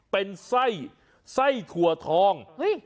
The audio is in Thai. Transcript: เป็นไส้ไส้ถั่วทอง